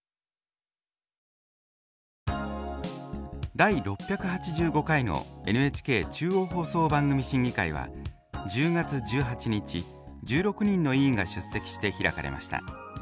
第６８５回のＮＨＫ中央放送番組審議会は１０月１８日１６人の委員が出席して開かれました。